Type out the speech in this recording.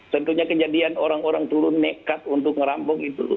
tentunya kejadian orang orang turun nekat untuk ngerampong itu